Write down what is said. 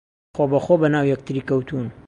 خۆبەخۆ بەناو یەکتری کەوتوون